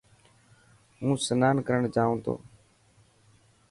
هون سنان ڪرڻ جائون تو.